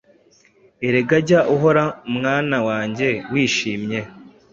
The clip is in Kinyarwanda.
Erega jya uhora mwana wanjye wishimye.